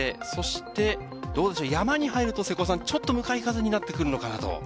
そして山に入ると、ちょっと向かい風になってくるのかなと。